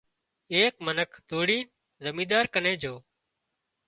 ايڪ منک ڌوڙين زمينۮار ڪنين جھو